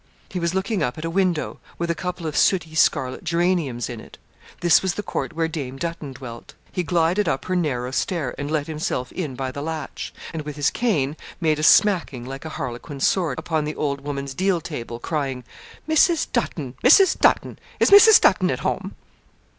He was looking up at a window, with a couple of sooty scarlet geraniums in it. This was the court where Dame Dutton dwelt. He glided up her narrow stair and let himself in by the latch; and with his cane made a smacking like a harlequin's sword upon the old woman's deal table, crying: 'Mrs. Dutton; Mrs. Dutton. Is Mrs. Dutton at home?'